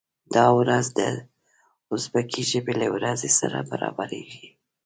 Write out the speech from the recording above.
دا ورځ د ازبکي ژبې له ورځې سره برابریږي.